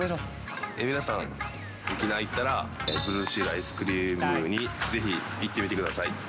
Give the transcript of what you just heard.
皆さん、沖縄行ったら、ブルーシールアイスクリームにぜひ行ってみてください。